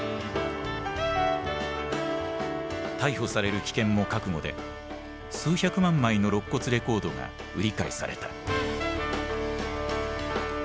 逮捕される危険も覚悟で数百万枚のろっ骨レコードが売り買いされた。